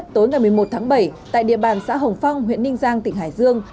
tối ngày một mươi một tháng bảy tại địa bàn xã hồng phong huyện ninh giang tỉnh hải dương